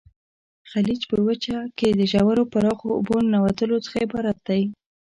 خلیج په وچه کې د ژورو پراخو اوبو ننوتلو څخه عبارت دی.